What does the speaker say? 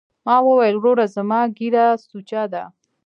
ما وويل وروره زما ږيره سوچه ده.